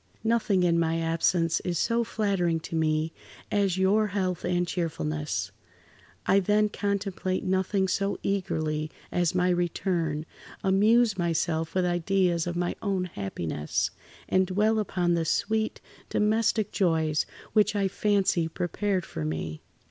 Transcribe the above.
"Nothing in my absence is so flattering to me as your health and cheerfulness. I then [Pg 64]contemplate nothing so eagerly as my return, amuse myself with ideas of my own happiness, and dwell upon the sweet domestic joys which I fancy prepared for me.